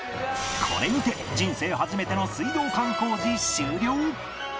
これにて人生初めての水道管工事終了